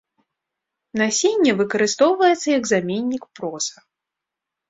Насенне выкарыстоўваецца як заменнік проса.